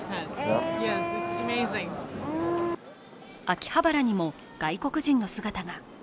秋葉原にも外国人の姿が。